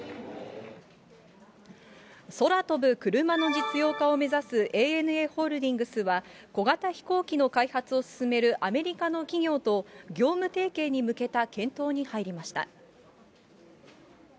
空飛ぶクルマの実用化を目指すＡＮＡホールディングスは、小型飛行機の開発を進めるアメリカの企業と、業務提携に向けた検討に入りました。